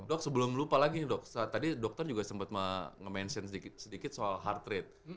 dok sebelum lupa lagi dok tadi dokter juga sempat nge mention sedikit soal heart rate